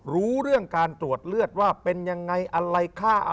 รู้เรื่องการตรวจเลือดว่าเป็นยังไงอะไรค่าอะไร